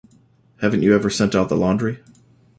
Haven't you ever sent out the laundry?